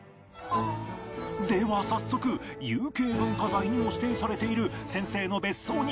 では早速有形文化財にも指定されている先生の別荘にお邪魔